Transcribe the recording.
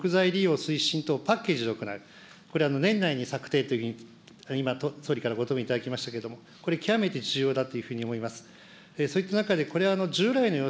これに関してやはり林業の活性化と木材利用推進化をパッケージで行う、これ、年内に策定というふうに、今、総理からご答弁いただきましたけれども、極めて重要だというふうに思います。